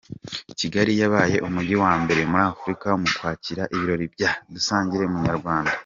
Kigali yabaye Umujyi wa mbere muri Afurika mu kwakira ibirori bya dusangire Munyarwanda